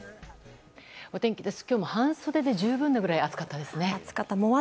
お天気です。